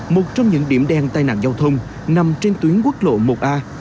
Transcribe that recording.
một trong những điểm đen tai nạn giao thông nằm trên tuyến quốc lộ một a